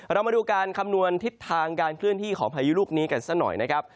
เรามาดูการคำนวณทิศทางการเคลื่อนที่ของพายุลูกนี้กันซะหน่อยนะครับ